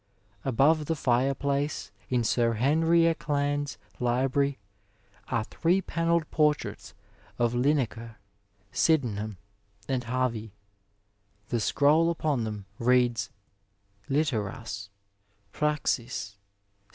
Above the fireplace in Sir Henry Acland's library are three panelled portraits of Linacre, Sydenham, and Harvey ; the scroll upon them reads Litterce, Praaois^ SderUia.